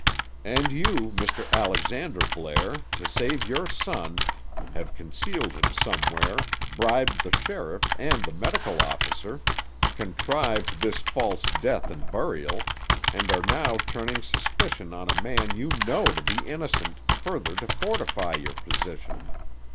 And you, Mr. Alexander Blair, to save your son, have concealed him somewhere, bribed the sheriff and the medical officer, contrived this false death and burial, and are now turning suspicion on a man you know to be innocent further to fortify your position.